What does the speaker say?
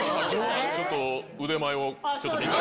ちょっと、腕前を、ちょっと見たい。